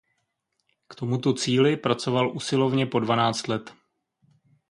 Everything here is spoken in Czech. K tomuto cíli pracoval usilovně po dvanáct let.